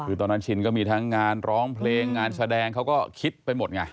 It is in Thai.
คือตอนนั้นชินก็มีทั้งงานร้องเพลงงานแสดงเขาก็คิดไปหมดไง